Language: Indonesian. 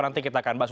nanti kita akan bahas